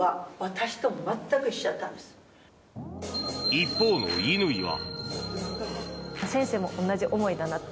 一方の乾は。